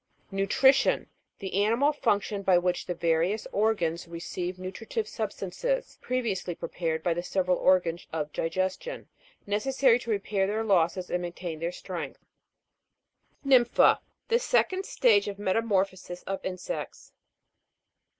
NUTRI'TION. The animal function, by which the various organs re ceive nutritive substances (previ ously prepared by the several or gans of digestion), necessary to repair their losses and maintain their strength. NYM'PHA. The second stage of metamorphosis of insects.